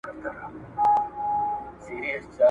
د وطن په یاد، دا نسبتاً اوږده غزل ولیکله: ,